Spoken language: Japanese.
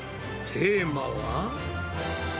テーマは？